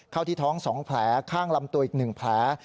ที่ท้อง๒แผลข้างลำตัวอีก๑แผล